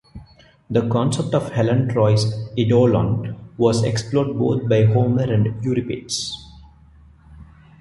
The concept of Helen of Troy's eidolon was explored both by Homer and Euripides.